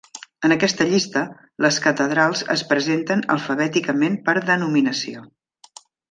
En aquesta llista, les catedrals es presenten alfabèticament per denominació.